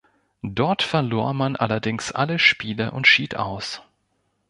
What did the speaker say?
Dort verlor man allerdings alle Spiele und schied aus.